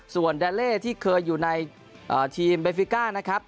ส่วนแดเล่ที่เคยอยู่ในทีมเบฟิก้านะครับ